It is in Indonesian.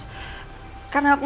sampai jumpa di hallshaven